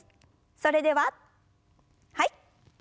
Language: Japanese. それでははい。